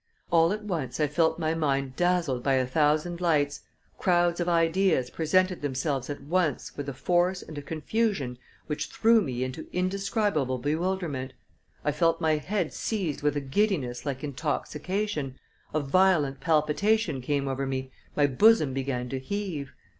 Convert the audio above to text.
All at once I felt my mind dazzled by a thousand lights, crowds of ideas presented themselves at once with a force and a confusion which threw me into indescribable bewilderment; I felt my head seized with a giddiness like intoxication, a violent palpitation came over me, my bosom began to heave.